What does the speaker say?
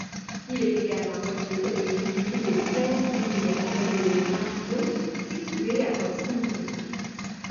Il est également possible de visiter les pingouinières de l'île Martillo, située à proximité.